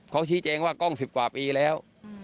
เขาชี้แจงว่ากล้อง๑๐กว่าปีแล้ว